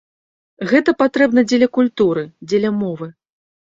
Гэта патрэбна дзеля культуры, дзеля мовы.